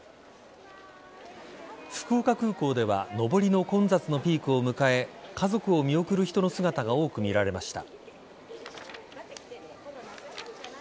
福岡空港では上りの混雑のピークを迎え家族を見送る人の姿が多く見られました。